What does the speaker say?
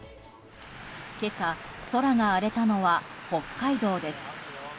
今朝、空が荒れたのは北海道です。